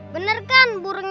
bener kan burung ini